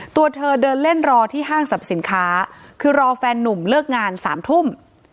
ตัวเธอเดินเล่นรอที่ห้างสรรพสินค้าคือรอแฟนนุ่มเลิกงาน๓ทุ่ม